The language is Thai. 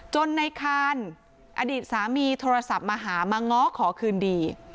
ในคานอดีตสามีโทรศัพท์มาหามาง้อขอคืนดี